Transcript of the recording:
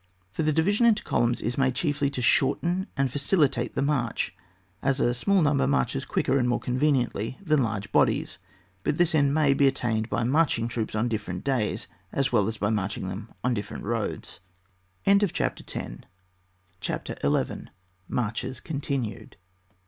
For the division into columns is made chiefly to shorten and facilitate the march, as a smcJl number marches quicker and more conveniently than large bodies. But this end may, be attained by marching troops on different days,, as well as by marching them on different roads. * 6Ui Chap. P TB. CHAP. XI.] MARCHES. 35 CHAPTER XI. MARCHES (Continued).